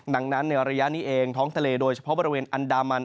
ดังนั้นในระยะนี้เองท้องทะเลโดยเฉพาะบริเวณอันดามัน